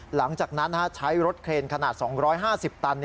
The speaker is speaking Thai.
หลังจากนั้นใช้รถเครนขนาด๒๕๐ตัน